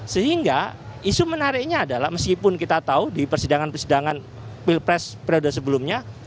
sehingga isu menariknya adalah meskipun kita tahu di persidangan persidangan pilpres periode sebelumnya